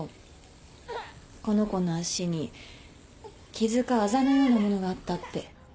この子の脚に傷かあざのようなものがあったって。